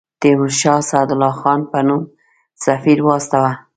تیمورشاه سعدالله خان په نوم سفیر واستاوه.